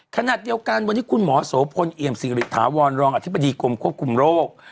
ขณะเดียวกันวันนี้คุณหมอโสพลเอี่ยมสิริถาวรรองอธิบดีกรมควบคุมโรค